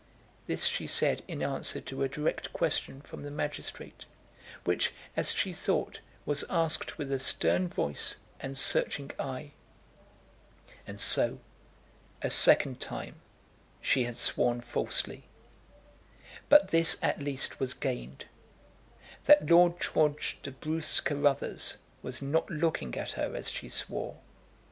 This she said in answer to a direct question from the magistrate, which, as she thought, was asked with a stern voice and searching eye. And so, a second time, she had sworn falsely. But this at least was gained, that Lord George de Bruce Carruthers was not looking at her as she swore.